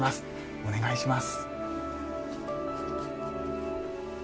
お願いします。